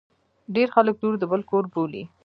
ډیر خلګ لور د بل کور بولي.